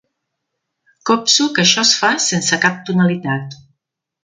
Copso que això es fa sense cap tonalitat.